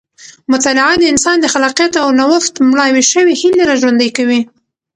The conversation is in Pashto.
مطالعه د انسان د خلاقیت او نوښت مړاوې شوې هیلې راژوندۍ کوي.